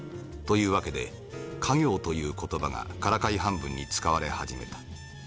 という訳で稼業という言葉がからかい半分に使われ始めた。